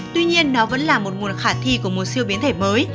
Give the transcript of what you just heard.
tuy nhiên nó vẫn là một nguồn khả thi của một siêu biến thể mới